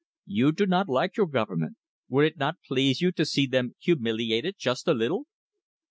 You do not like your Government. Would it not please you to see them humiliated just a little?"